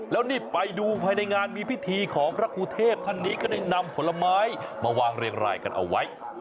แล้วนี่ไปดูภายในงานมีพิธีของพระครูเทพท่านนี้ก็ได้นำผลไม้มาวางเรียงรายกันเอาไว้